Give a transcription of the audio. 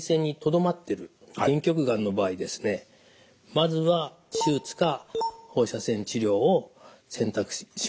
まずは手術か放射線治療を選択します。